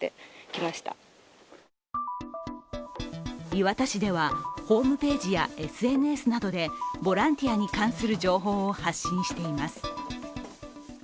磐田市ではホームページやＳＮＳなどでボランティアに関する情報を発信しています。